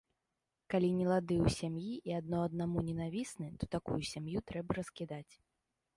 Калі нелады ў сям'і і адно аднаму ненавісны, то такую сям'ю трэба раскідаць.